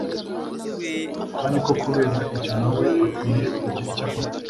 kandi ko kubera ibyo na we akwiriye kugira icyo akora